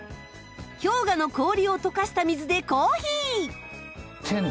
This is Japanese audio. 氷河の氷を溶かした水でコーヒー。